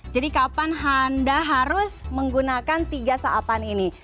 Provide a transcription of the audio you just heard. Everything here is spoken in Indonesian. jadi kapan anda harus menggunakan tiga seapaan ini